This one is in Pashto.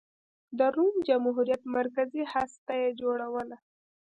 د روم جمهوریت مرکزي هسته یې جوړوله.